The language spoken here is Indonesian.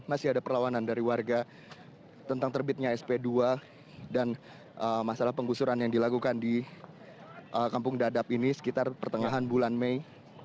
masih ada perlawanan dari warga tentang terbitnya sp dua dan masalah penggusuran yang dilakukan di kampung dadap ini sekitar pertengahan bulan mei